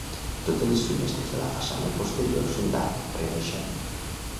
Totes les finestres de la façana posterior són d’arc rebaixat.